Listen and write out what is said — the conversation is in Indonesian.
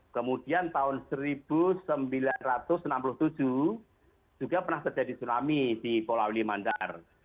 kemudian tahun seribu sembilan ratus enam puluh tujuh juga pernah terjadi tsunami di pulau limandar